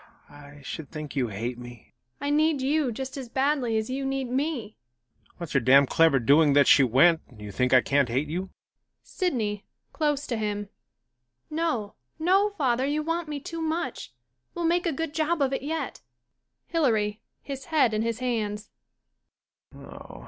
2 I should think you hate me. SYDNEY I need you just as badly as you need me. HILARY {Fiercely^ It's your damn clever doing that she went. D'you think I can't hate you? SYDNEY IClose to him,'] No, no, father, you want me too much. We'll make a good job of it yet. HILARY IHis head in his hands."